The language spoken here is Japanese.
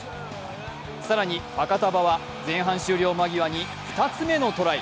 更にファカタヴァは前半終了間際に２つ目のトライ。